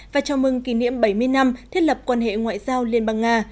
và chào mừng kỷ niệm bảy mươi năm thiết lập quan hệ ngoại giao liên bang nga